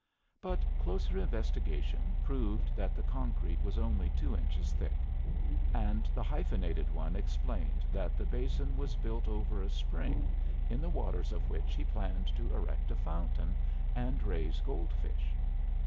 But closer investigation proved that the concrete was only two inches thick. And the hyphenated one explained that the basin was built over a spring, in the waters of which he planned to erect a fountain and raise goldfish.